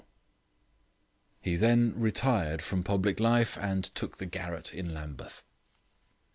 He then retired from public life and took the garret in Lambeth.